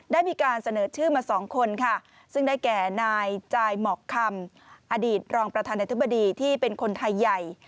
ได้มีการเสนอชื่อมาสองคนค่ะซึ่งได้แก่นายจายหมอกคำอดีตรองประธานาธิบดีที่เป็นคนไทยใหญ่